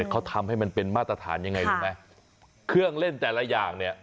เขาทำให้มันเป็นมาตรฐานยังไงรู้ไหมเครื่องเล่นแต่ละอย่างเนี่ย